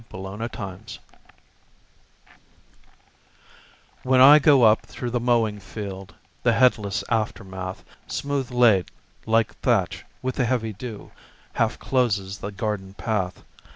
A Late Walk WHEN I go up through the mowing field, The headless aftermath, Smooth laid like thatch with the heavy dew, Half closes the garden path.